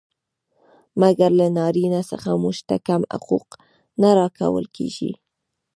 مګر له نارينه څخه موږ ته کم حقوق را کول کيږي.